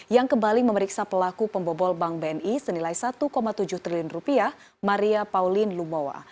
yang kembali memeriksa pelaku pembobol bank bni senilai satu tujuh triliun rupiah maria pauline lumowa